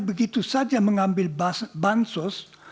begitu saja mengambil bansos